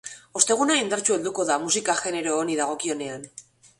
Osteguna indartsu helduko da musika genero honi dagokionean.